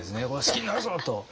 「好きになるぞ！」と。